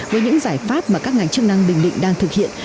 với những giải pháp mà các ngành chức năng bình định đang thực hiện